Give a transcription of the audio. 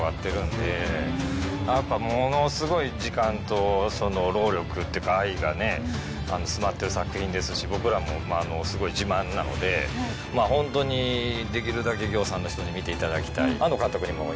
やっぱものすごい時間と労力愛がね詰まってる作品ですし僕らもすごい自慢なのでホントにできるだけぎょうさんの人に見ていただきたい。